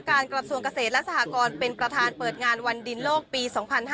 กระทรวงเกษตรและสหกรเป็นประธานเปิดงานวันดินโลกปี๒๕๕๙